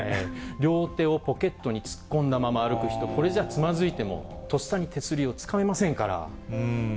両手をポケットにつっこんだまま歩く人、これじゃつまずいてもとっさに手すりをつかめませんから。